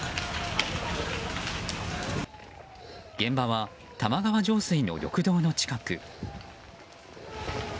現場は玉川上水の緑道の近く。